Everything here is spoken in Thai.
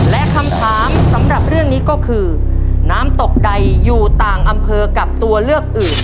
และคำถามสำหรับเรื่องนี้ก็คือน้ำตกใดอยู่ต่างอำเภอกับตัวเลือกอื่น